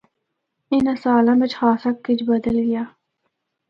اِناں سالاں بچ خاصا کجھ بدل گیا دا اے۔